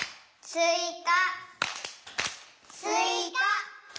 「すいか」。